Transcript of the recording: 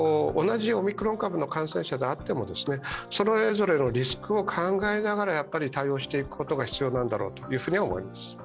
同じオミクロン株の感染者であっても、それぞれのリスクを考えながら対応していくことが必要なんだろうと思います。